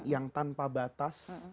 yang tanpa batas